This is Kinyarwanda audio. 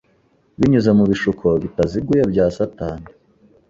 Binyuze mu bishuko bitaziguye bya Satani,